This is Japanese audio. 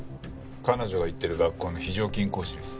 彼女が行っている学校の非常勤講師です。